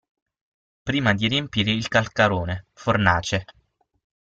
Prima di riempire il calcarone (fornace).